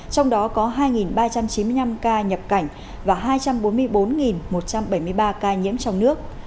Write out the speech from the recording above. trong đó có hai ba trăm chín mươi năm ca nhập cảnh và hai trăm bốn mươi bốn một trăm bảy mươi ba ca nhiễm trong nước